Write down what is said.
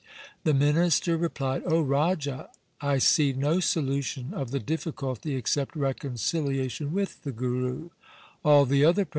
' The minister replied, ' O Raja, I see no solution of the difficulty except reconciliation with the Guru.'